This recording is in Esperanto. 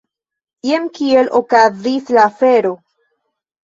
Jen kiel okazis la afero!